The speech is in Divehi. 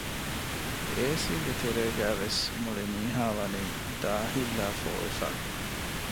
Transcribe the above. އޭސީގެ ތެރޭގައިވެސް މުޅި މީހާ ވަނީ ދާހިތްލާ ފޯވެފަ